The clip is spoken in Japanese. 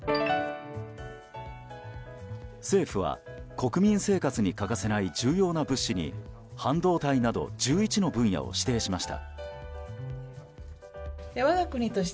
政府は、国民生活に欠かせない重要な物資に半導体など１１の分野を指定しました。